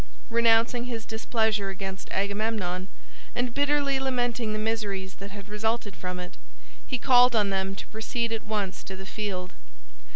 Renouncing his displeasure against Agamemnon and bitterly lamenting the miseries that had resulted from it, he called on them to proceed at once to the field.